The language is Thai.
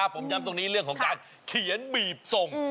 ผมย้ำตรงนี้เรื่องของการเขียนบีบส่ง